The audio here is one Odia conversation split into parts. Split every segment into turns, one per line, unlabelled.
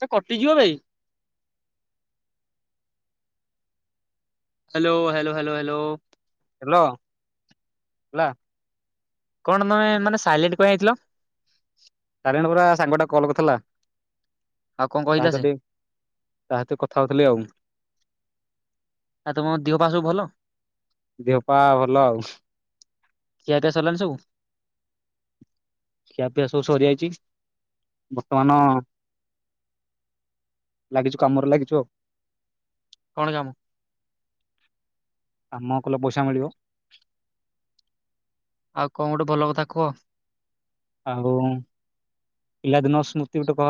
ସେ କଟିଯିବ ବେ hello hello hello hello
hello ହେଲା।
କଣ ତମେ ମାନେ ସାଇଲେଣ୍ଟ କଣ ହେଇଥିଲ?
[unintelligible] ପରା ସାଙ୍ଗଟା କଲ୍ କରିଥିଲା।
ଆଉ କଣ
ତା
କହିଲା ସେ
ଟି ତା ସହିତ କଥା ହଉଥିଲି ଆଉ।
ଆଉ ତମ ଦେହ ପା ସବୁ ଭଲ?
ଦିହପା ଭଲ ଆଉ।
ଖିଆପିଆ ସରିଲାଣି ସବୁ
ଖିଆ ପିଆ ସବୁ ସରିଯାଇଛି, ବର୍ତ୍ତମାନ ଲାଗିଛୁ କାମରେ ଲାଗିଛୁ ଆଉ।
କଣ କାମ?
କାମ କଲେ ପଇସା ମିଳିବ।
ଆଉ କଣ ଗୋଟେ ଭଲ କଥା କୁହ?
ଆଉ ପିଲାଦିନ ସ୍ମୃତି ଗୋଟେ କହ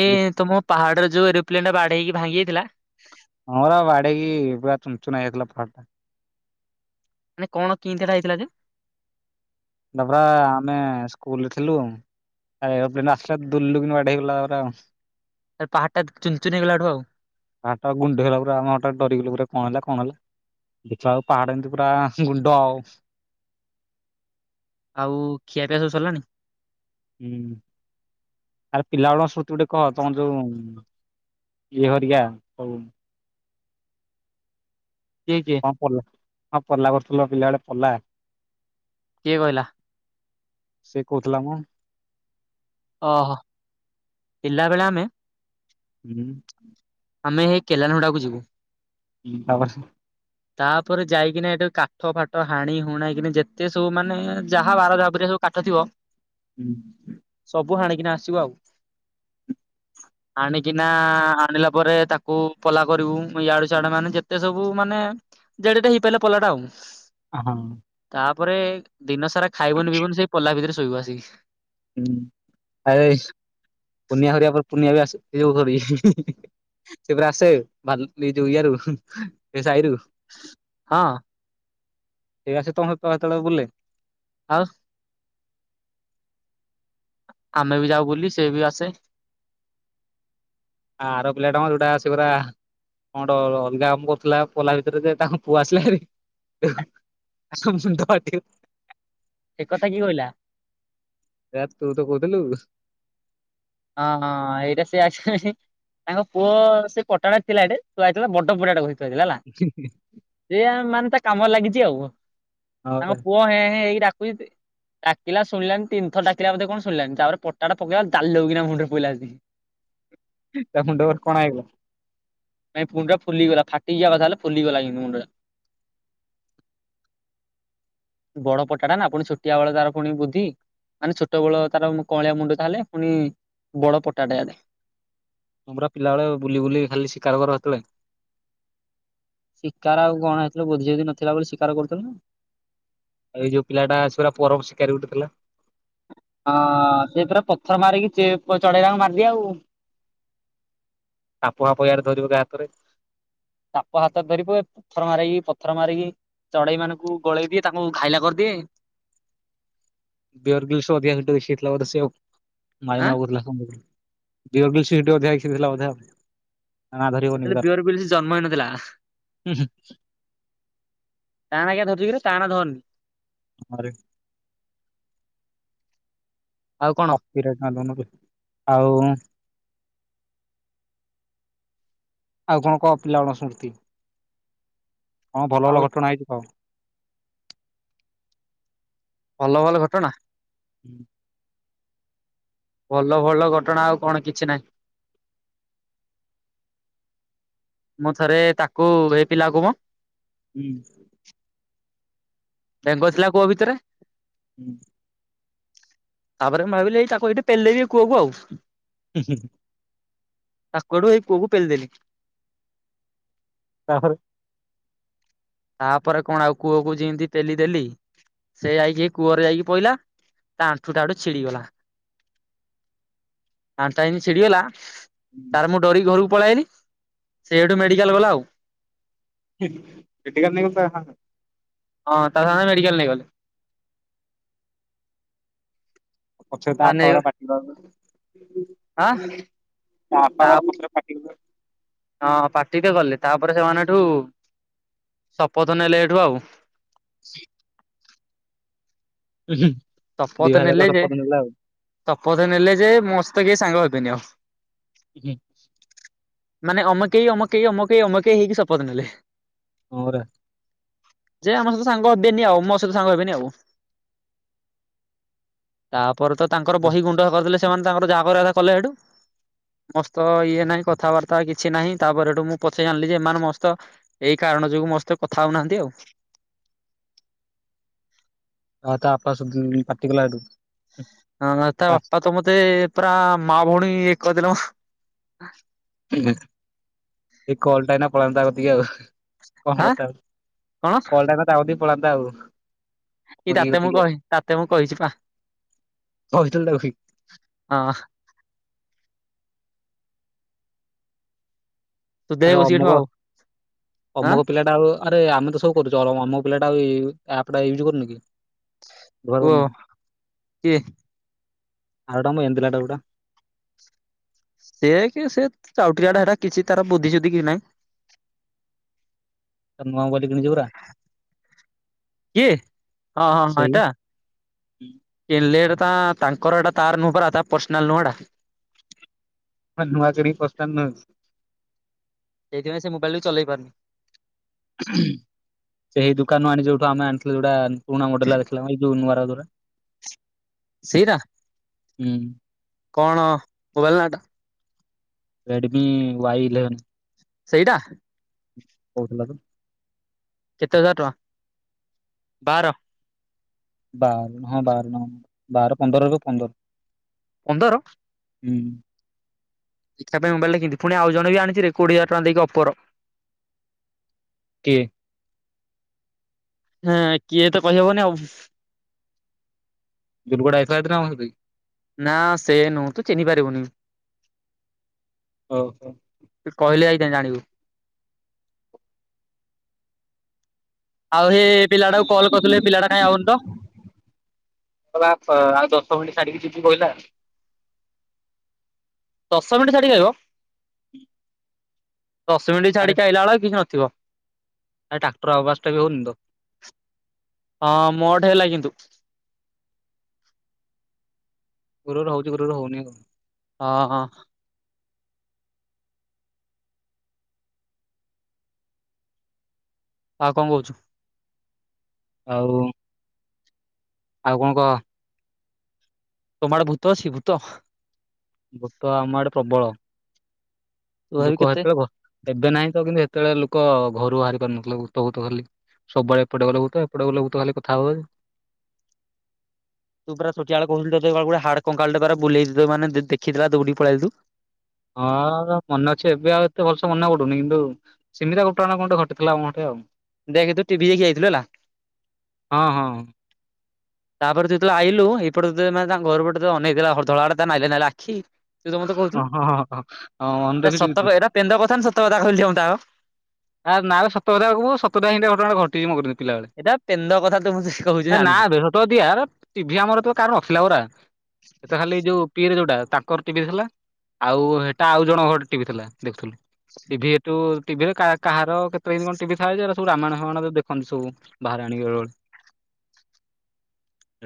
ଏଇ ତମ ପାହାଡ ଯୋଁ ଏରୋପ୍ଲେନ ଟା ବାଢେଇକି ଭଙ୍ଗିଯାଇଥିଲା
ହଁ ବା ବାଡେଇକି ପୁରା ଚୁନ ଚୁନା ହେଇଯାଇଥିଲା ପାହାଡଟା
ମାନେ କଣ କିନ୍ତିଟା ହେଇଥିଲା ଯେ?
ତା ପା ଆମେ ସ୍କୁଲରେ ଥିଲୁ, ଏରୋପ୍ଲେନ ଆସିଲା ଦୁୁଲକିନା ବାଡେଇ ହେଇଗଲା ଆଉ।
ପାହାଡ ଟା ଚୁନ ଚୁନ ହେଇଗଲାଠୁ ଆଉ
ହଟାତ ଗୁଣ୍ଡ ହେଲା ପରେ, ଆମ ହଟା ଡରିଗଲୁ ପୁରା କଣ ହେଲା କଣ ହେଲା ଦେଖିବା ବେଳକୁ ପାହାଡ ଏମିତି ପୁରା ଗୁଣ୍ଡ ଆଉ।
ଆଉ ଖିଆପିଆ ସବୁ ସରିଲାଣି?
ହୁଁ। ପିଲା ବେଳ ସ୍ମୃତି ଗୋଟେ କହ ତମର ଯୋଉ ଇଏ ହରିଆ ହଉ
କିଏ କିଏ
କଣ [unintelligible] ହଁ ପଲା କରୁଥିଲୁ ବା ପିଲା ବେଳେ ପଲା।
କିଏ କହିଲା?
ସେ କହୁଥିଲା ମ।
ଓହୋ ପିଲାବେଳେ ଆମେ
ହୁଁ।
ଆମେ ହେଇ କେଲାନ ହୁଡ଼ାକୁ ଯିବୁ।
ହଁ ତାପରେ ସେ
ତାପରେ ଯାଇକିନା, ଏଠି କାଠ ଫାଠ ହାଣି ହୁଣାଇନା ଯେତେ ସବୁ ମାନ। ମାନେ ଯାହା ବାର ଯାହା ପରେ ସବୁ କାଠ ଥିବ।
ହୁଁ।
ସବୁ ହାଣିକିନା ଆସିବୁ ଆଉ। ଆଣିକିନା ଆଣିଲା ପରେ ତାକୁ ପଲା କରିବୁ, ଇଆଡୁ ସିଆଡୁ ମାନେ ଯେତେ ସବୁ ମାନେ ଜେଡେଟା ହେଇପାରିଲା ପଲାଟା ଆଉ।
ହଁ।
ତା ପରେ। ଦିନ ସାରା ଖାଇବୁନି ପିଇବୁନି ସେଇ ପଲା ଭିତରେ ସୋ ସୋଇବୁ ଆସିକି।
ହଁ ଆରେ ପୁନିଆ ଖର ପରେ ପୁନିଆ ବି ଆସ ଯୋଉ ସରି ଆସେ ଏଇ ଯୋଉ ଇଆରୁ ସେହି ସାଇରୁ।
ହଁ।
ଠିକ ଅଛି ତମ କହ ତଳେ ବୁଲେ।
ଆଉ। ଆମେ ବି ଯାଉ ବୁଲିୁ ସେଏ ବି ଆସେ।
ଆଉ ଆର ପିଲା ଟା ମ ଯୋଉଟା ଆସେ ପରା କଣ ଗୋଟେ ଅଲଗା କାମ କରୁଥିଲା ପୋଲା ଭିତରେ ଯେ ତାଙ୍କ ପୁଅ ଆସିଲା ହେରି।
ଏ କଥା କି କହିଲା?
ଏ ତୁ ତ କହୁଥିଲୁ।
ହଁ ହଁ ଏଇଟା ସେ ଆସ ତାଙ୍କ ପୁଅ ସେ କଟାଟ ଥିଲା ଏଠ ତୁ ଆସିଥିଲା ବଡ ପଡାଟେ କହିଥିଲୁ। [unintelligible] କାମ ଲାଗିଛି ଆଉ। ତାଙ୍କ
ପରା
ପୁଅ ହେଁ ହେଁ ଏଇ ା ଡାକିଲା ଶୁଣିଲାନି ତିିନି ଥର ଡାକିଲା ବୋଧେ କଣ ଶୁଣିଲାନି। ତାପରେ ପଟାଟା ପକେଇଲା ଡାଲଉକିନା ମୁଣ୍ଡରେ ପିଲ ଆ
ତା ମୁଣ୍ଡ [unintelligible] କଣା ହେଇଗଲା।
ମ ପୁଣି ଟା ଫୁଲିଗଲା ଫାଟି ଯିବା କଥା ହେଲେ, ଫୁଲିଗଲା କି ମୁଣ୍ଡ ଟା ବଡ ପଟାଟା ନା ପୁଣି ଛୋଟିଆ ବେଳ ତାର ପୁଣି ବୁଦ୍ଧି ମାନେ ଛୋଟ ବେଳ ତାର କଳିଆ ମୁଣ୍ଡ ତାହେଲେ ପୁଣି ବଡ ପଟାଟା
ତ ପରା ପିଲାବେଳେ ବୁଲି ବୁଲି ଖାଲି ଶିକାର କର ସେତେଳେ
ଶିକାର ଆଉ କଣ ହେଇଥିଲ ବୋଧି ଯଧି ନଥିଲା ବୋଲି ଶିକାର କରୁଥିଲ ନା
ଆଉ ଏଇ ଯୋଉ ପିଲାଟା ସେ ପରା [unintelligible] ଶିକାରୀ ଗୋଟେ ଥିଲା।
ହଁ ସେପ ପଥର ମାରିକି ଚଢେଇବାଙ୍କୁ ମାରିଦି ଆଉ।
ଆପୁଆପଆରେ ଧରିବୁ ଗା ହାତରେ
ତାପ ହାତ ଧରି ପୁଏ ପଥର ମାରକି ପଥର ମାରିକି ଚଢେଇ ମାନଙ୍କୁ ଗୋଳେଇ ଦିଏ ତାଙ୍କୁ ଖାଇଲା କରିଦିଏ
ବିଅର ବି ସେ ଅଧିକା।
ଆଁ
[unintelligible] [unintelligible] ଧରିବନି ବି
ସେତେଳେ
ତାର
ବିୟର ବ ସେ ଜନ୍ମ ହେଇନଥିଲା ତା ନା ଆଜ୍ଞା ଧର ଟାଣ ଧରନି
ଆରେ
ଆଉ କଣ
ଆଉ ଆଉ କଣ କହ ପିଲା ଵେଳ ସ୍ମୃତି କଣ ଭଲ
ଆଉ
ଭଲ ଘଟଣା ହେଇଛି କହ।
ଭଲ ଭଲ ଘଟଣା
ହୁଁ।
ଭଲ ଭଲ ଘଟଣା ଆଉ କଣ କିଛି ନାହିଁ। ମୁଁ ଥରେ ତାକୁ ଏଇ ପିଲାକୁ ମ
ହୁଁ
ବେଙ୍ଗ ଥିଲା କୁଅ ଭିତରେ
ହୁଁ।
ତାପରେ ମୁଁ ଭାବିଲି ତାକୁ ଏଠି ପେଲିଦେବି କୁଅକୁ ଆଉ
ହୁଁ ହୁଁ
ତାକୁ ଏଠୁ ଏଇ କୁଅକୁ ପେଲିଦେଲି-
ତାପରେ
ତାପରେ କଣ ଆଉ କୂଅକୁ ଯେମିତି ପେଲି ଦେଲି ସେ ଯାଇକି କୂଅରେ ଯାଇକି ପଇଲା ତା ଆଣ୍ଠୁ ଟା ସେଠୁ ଛିଡିଗଲା ଆଣ୍ଠା ଏମତି ଛିଡିଗଲା ତାର ମୁଁ ଡରି ଘରୁକୁ ପଳେଇଲି ସେ ସେଠୁ ମେଡିକାଲ ଗଲା ଆଉ।
[unintelligible]
ହଁ ତା ସାଙ୍ଗ ମେଡିକାଲ ନେଇ ଗଲେ
ପଛରେ ତା ଵାପା ଗରା ପାଟି
ଆଁ ତା
[unintelligible]
ହଁ ପାାଟିତ କଲେ ତାପରେ ସେମାନେ ସେଠୁ ଶପଥ ନେଲେ ଏଠୁ ଆଉ
ଦି
ଶପଥ
ଭାଇ
ନେଲେ
ଯାକ
ଯେ
ଶପଥ ନେଲା ଆଉ।
ଶପଥ ନେଲେ ଯେ ମୋ ସହିତ କିଏ ସାଙ୍ଗ ହେବେନି ଆଉ।
ହୁଁ ହୁ
ମାନେ ଅମକେଇ ଅମକେହି ଅମକେହି ଅମକେହି ହେଇକି ଶପଥ ନେଲେ।
ଆରେ
ଯେ ଆମ ସହିତ ସାଙ୍ଗ ହେବେନି ଆଉ ମୋ ସହିତ ସାଙ୍ଗ ହେବେନି ଆଉ। ତା ପରେ ତ ତାଙ୍କର ବହି ଗୁଣ୍ଡ କରିଦେଲେ ସେମାନେ ତାଙ୍କର ଯାହା କରିବା କଲେ ସେଠୁ ମସ୍ତ ଇଏ ନାହିଁ କଥାବାର୍ତ୍ତା କିଛି ନାହିଁ ତାପରେ ସେଠୁ ମୁଁ ପଛେଇ ଆଣିଲି ଯେ ଏମାନେ ମୋ ସହିତ ଏଇ କାରଣ ଯୋଗୁ ମୋ ସହିତ କଥା ହଉନାହାନ୍ତି ଆଉ।
ଆ ତା ଵାପା ସୁଵୁଦିନ ପାଟିକଲା ସେଇଠୁ
ହଁ ତା ବାପା ତ ମତେ ପୁରା ମା, ଭଉଣୀ ଏକ କରିଦେଲେ
ଏ କଲଟା ଏଇନା ପଳାନ୍ତା ତାକତିକି ଆଉ କଣ
ଆଁ
କଥା କଲଟା ତାକତି ପଳାନ୍ତା ଆଉ
ଏଇ
ମଗେଇ
ତାତେ ମୁଁ
ଗପିକି ଆଉ
କହି ତାତେ ମୁଁ କହିଛି ପା
କହିଥିଲି ତାକୁ
ହଁ। ସୁଧେଇ
ଆରେ
ବସିକି ଏଠୁ
ଅମୁକ
ଆଉ ଆଁ
ଅମୁକ ପିଲାଟା ଆଉ ଆରେ ଆମେ ତ ସବୁ କରୁଛୁ ଅମୁକ ପିଲାଟ ଆଉ ଏ ଆପ ଟା ଇଉଯୁ କରୁନୁ କି? ବ୍ୟବହାର
କୁହ କିଏ
ଆରଟାମ ଏନ୍ଦ। [unintelligible]
ସେ କି ସେ ଟାଉଟିଆଡା ହେରା କିଛି ତାର ବୁଦ୍ଧି ସୁୁଦ୍ଧି କି ନାହିଁ। [inaudible]
[unintelligible] [unintelligible] ଯୋଉରା
କି ହଁ ହଁ ହଁ ଏଟା
ହୁଁ।
କିଣିଲଟ ତା ତାଙ୍କର ଏଟା ତାର ନୁହଁ ପରା ତା ପର୍ସନାଲ ନୁହଁଟା। [inaudible]
ମ ନୂଆ କରି। [unintelligible]
ସେଇଥିପାଇଁ ସେ ମୋବାଇଲ ଟା ଚଲେଇ ପାରୁନି।
ସେ ସେଇ ଦୁକାନରୁ ଆଣି ଯୋଉଠୁ ଆମେ ଆଣିଥିଲୁ ଯୋଉଟା ପୁଣା ମଡେଲ [unintelligible] ଯୋଉ ନୂଆ [unintelligible]
ସେଇରା
ହୁଁ।
କଣ ମୋବାଇଲ ନାଁ ଟା?
Redmi Y eleven.
ସେଇଟା
କୋଉଟଥିଲା ତ?
କେତେ ହଜାର [inaudible] ଟଙ୍କା ବାର
ବାର ହଁ ବାର ବାର ପନ୍ଦର ଏବେ ପନ୍ଦର।
ଅନ୍ଦର।
ହୁଁ।
ଦେଖିବା ପାଇଁ ମୋବାଇଲଟା କିୁ ପୁଣି ଆଉ ଜଣ ବି ଆଣିଚିରେ କୋଡିଏ ହଜାର ଟଙ୍କା ଦେଇକି ଅପୋର।
କିଏ?
ହଁ କିଏ ତ କହିହବନି ଆଉ
ଦୁରୁପଡା ଯାଇଥିଲା ସେଦିନ ଆମ ସହିତ କି?
ନା ସେ ନୁହୁଁ ତୁ ଚିହ୍ନି ପାରିବୁନି।
ଓହୋ।
କେ ଜାଣିବୁ? ଆଉ ହେ ପିଲାଟାକୁ କଲ୍ କରୁଥୁଲେ ପିଲାଟା କାଇଁ ଆାଉନି ତ।
ବି କହିଲା।
ଦଶ ମିନଟି ଛାଡିକି ଆଇବ?
ହୁଁ।
ଦଶ ମିନଟି ଛାଡ଼ିିକି ଆଇଲାବେଳା କିଛି ନଥିବ।
ଆ ଟାକ୍ଟର ଆବାଜଟା ବି ହୋଉନି ତ।
ହଁ ମୋଠେ [inaudible]
ଗୁରୁ ଗୁରୁ ହୋଉଚି ଗୁରୁ ହୋଉନି ଆଉ।
ହଁ ହଁ। ଆଉ କଁ କହୁଚୁ?
ଆଉ ଆଉ କଣ କହ?
ତୁମ ଆଡେ ଭୂତ ଅଛି ଭୂତ?
ଭୂତ ଆମ ଆଡେ ପ୍ରବଳ।
ତୁ ଭାବି
ଲୋକ
କେତେ
ହେତଳେ ବ ଏବେ ନାହିଁ ତ କିନ୍ତୁ ହେ ସେତେବେଳେ ଲୋକ ଘରୁ ବାହାରି ପାରୁନଥିଲେ ଭୂତ ଭୂତ ଖାଲି ସବୁବେଳେ ଏପଟେ ଗଲେ ଭୂତ ହେପଟେ ଗଲେ ଭୂତ ଖାଲି କଥା ହୁଏ।
ତୁ ପରା ଛୋଟିଆ ବେଳେ କହୁଥୁଲୁ ତତେ କାଳେ କୁଆଡେ ହାଡ କଙ୍କାଳଟେ ଥରେ ବୁଲେଇ ଦେଇ ମାନେ ଦେ-ଦେଖିଥିଲା ଦୌଡିକି ପଳିଆଇଲୁ ତୁ?
ହଁ ମନେ ଅଛି ଏବେ ଆଉ ଏତେ ଭଲସେ ମନେ ପଡୁନି କିନ୍ତୁ ସେମିତିଆ ଘଟଣା କଣଟେ ଘଟିଥିଲା ଆମଠେ ଆଉ।
ଦେଖ ତୁ ଟିଭି ଦେଖି ଯାଇଥିଲୁ ହେଲା।
ହଁ ହଁ ହଁ
ତାପରେ ତୁ ଯେତେତେଳେ ଆଇଲୁ ଏଇପଟେ ତତେ ମାନେ ତାଙ୍କ ଘର ପଟେ ତତେ ଅନେଇଥିଲା ହରଦଳା ଆଡେ ତା ନାଇଲା ନାଇଲା ଆଖି ତୁ ତ ମତେ କୋହୁଥୁଲୁ
ହଁ ହଁ ହଁ ହଁ ମନେ
ଏଟା
ରଖିଛୁ କି ତୁ
ସତକ ଏରା ପେନ୍ଦକଥା ନା ସତକଥା କହିଲୁ ଟିକେ ମତେ ଆଗ?
ଆ ନାବେ ସତ କଥା କୁହ ସତଟା ହିଁ ଏମତିଆ ଘଟଣାଟା ଘଟିଚି ମୋ କରି ପିଲାବେଳେ
ଏଇଟା ପେନ୍ଦ କଥା ତୁ ମତେ କହୁଛୁ
ଏ
ଜାଣିଛି
ନାବେ ସତ ସତିକା ଏରା ଟିଭି ଆମର ହେତଳେ କାର ନଥିଲା ପରା ସେତଳେ ଖାଲି ଏଇ ଯୋଉ ପିଏରେ ଯୋଉଟା ତାଙ୍କର ଟିଭି ଥିଲା ଆଉ ହେଟା ଆଉ ଜଣଙ୍କ ହଟି ଟିଭି ଥିଲା ଦେଖୁଥିଲୁ ଟିଭି ଏଠୁ ଟିଭିରେ କା କାହାର କେତ ହେମିତି କଣ ଟିଭି ଥାଏ ଯେ ଏରା ସବୁ ରାମାୟଣ ଫାମାୟଣ ଦେଖନ୍ତି ସବୁ ବାହାରେ ଆଣିକି ବେଳେବେଳେ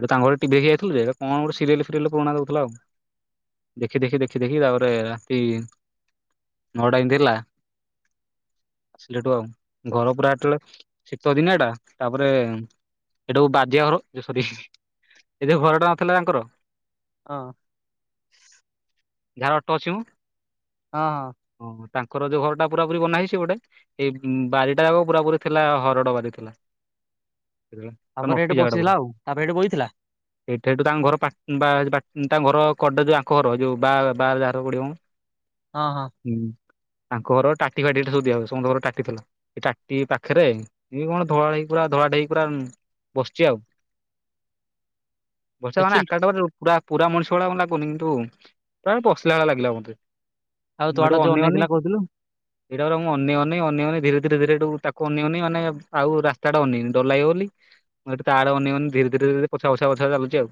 ଏଟା ତାଙ୍କ ଘରେ ଟିଭି ଦେଖି ଯାଇଥିଲୁ ଯେ ଏଟା କଁ ଗୋଟେ ସିରିଏଲ ଫିରିଏଲ ପୁରୁଣା ଦୋଉଥୁଲା ଆଉ ଦେଖି ଦେଖି ଦେଖି ଦେଖି ତାପରେ ରାତି ନଅଟା ଯେମତି ହେଲା ଆସିଲୁ ହେଠୁ ଆଉ ଘର ପୁରା ହେତଳେ ଶୀତ ଦିନ ଏଟା ତାପରେ ଏଟା କୋଉ ବାଧିଆ ଘର ଏ ସରି ଏ ଘରଟା ନଥିଲା ତାଙ୍କର?
ହଁ।
ଯାହାର ଅଟ ଅଛି ମ?
ହଁ ହଁ।
ହଁ ତାଙ୍କର ଯୋଉ ଘରଟା ପୁରାପୁରୀ ବନାହେଇଚି ସେ ଗୋଟେ ଏଇ ବାରିଟା ଯାକ ପୁରାପୁରୀ ଥିଲା ହରଡ଼ ବାରି ଥିଲା। ପୁରା
ତାପରେ ଏଇଠି
ନଟି ଯାଗାଟା ପୁରା
ବସିଥିଲା ଆଉ ତାପରେ ଏଇଠି ବଇଥିଲା
ସେଇଠି ସେଇଠୁ ତାଙ୍କ ଘର ପା-ବା-ବା-ତାଙ୍କ ଘର କଡ ଯୋଉ ଆଙ୍କ ଘର ଯୋଉ ବା ବାରେ ଯାହାର ପଡିବ ମ।
ହଁ ହଁ।
ତାଙ୍କ ଘର ଟାଟି ଫାଟିଟା ସବୁି ଦିଆ ତମ ଘର ଟାଟି ଥିଲା। ଏ ଟାଟି ପାଖରେ ଏ କଣ ଧଳା ହେଇ ପୁ ଧଳାଟେହେଇକି ପୁରା ବସିଛି ଆଉ ବର୍ଷା ମାନେ
ଦେଖିଲୁ
ଆକାଟା ପରେ ପୁରା ପୁରା ମଣିଷ ଭଳିଆ କ ଲାଗୁନି କିନ୍ତୁ ପ୍ରାୟ ବସିଲା ଭଳିଆ ଲାଗିଲା ମୋତେ।
ଆଉ
ମୁଁ
ତୁ ଆଡେ
ହେଠୁ
ଯୋଉ
ଅନେଇ
ଅନେଇଥିଲା
ଅନେଇ
କହୁଥିଲୁ
ଏଟା ପରା ମୁ ଅ ଅନ୍ୟମାନେ ଧୀରେ ଧୀରେ ଧୀରେ ହେଠୁ ତାକୁ ଅନେଇ ଅନେଇ ମାନେ ଆଉ ରାସ୍ତା ଟା ଅନେଇନି। ଡରଲାଗିବା ବୋଲିି ସେ ତା ଆଡ଼େ ଅନଇବନି ଧୀରେ ଧୀରେ ଧରେ ପଛୁଆ ପଛୁଆ ପଛୁଆ ଚାଲୁଛି ଆଉ।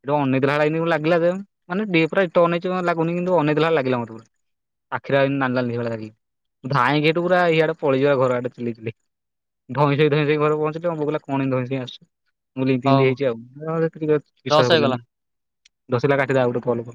ହେଠୁଁ ଅନେକ ଦେଲା ଭଳିଆ ଏମତି ଲାଗିଲା ଯେ ମାନେ ଡି ପୁରା ଅତି ଅନୁଛି ଲାଗୁନି କିନ୍ତୁ ଅନେଇ ଦେଲାଭଳିଆ ଲାଗିଲା ମୋତେ। ଆଖିରେ ନାଲ ନାଲ ହେଇଗଲା ରାଗିକି ଧାଇଁକି ପୁରା ଇଆଡେପଳେଇଯିବା ଘର ଆଡେ ଚିଲେଇ ଚିଲେଇ ଧଇଁ ସଇଁ ଧଇଁ ସଇଁ ଘରେ ପହଞ୍ଚିଲି। ମୋ ବୋଉ କହିଲା କଣ ଏମିତି ଧଇଁ ସଇଁ ଅସୁ ମୁଁ କହିଲି ଇତି ଇତି
ହଉ
ହେଇଛି ଆଉ। ସେ ଟ ବିଶ୍ୱାସ
ଦଶ ହେଇଗଲା।
କଲେନି ଦସଲା କାଟିଲା ଗୋଟେ କଲ୍